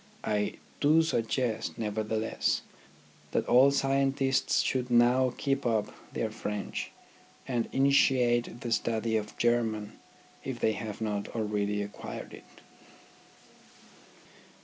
I do suggest, nevertheless, that all scientists should now keep up their French, and initiate the study of German if they have not already acquired it.